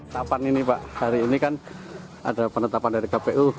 kapan ini pak hari ini kan ada penetapan dari kpu